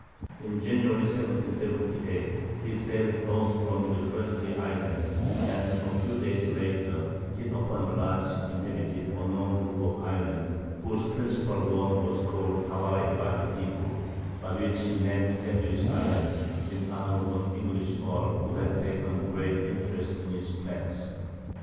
In January, 1778, he sailed north from the Friendly Islands, and a few days later hit upon a large, inhabited, unknown group of islands, whose principal one was called Hawaii by the people, but which he named Sandwich Islands, in honor of an English earl who had taken great interest in his plans.